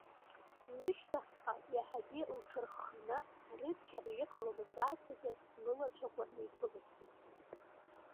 Лышьҭахьҟа иаҳагьы лҽырхханы, арыцҳара иҟало лымбарц азы лылацәақәа неиқәылыԥсеит.